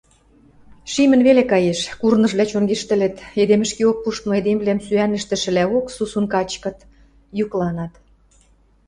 Шимӹн веле каеш – курныжвлӓ чонгештӹлӹт, эдем ӹшкеок пуштмы эдемвлӓм сӱанӹштӹшӹлӓок сусун качкыт, юкланат.